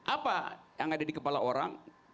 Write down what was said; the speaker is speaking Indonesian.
apa yang ada di kepala orang